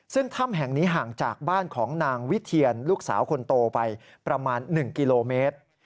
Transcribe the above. ซึ่งถ้ำแห่งนี้ห่างจากบ้านของนางวิเทียนลูกสาวคนโตไปประมาณ๑กิโลเมตร